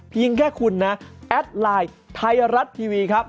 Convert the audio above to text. เพียงแค่คุณนะแอดไลน์ไทยรัฐทีวีครับ